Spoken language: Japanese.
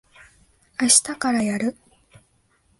あしたからやる。